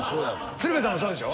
鶴瓶さんもそうでしょ？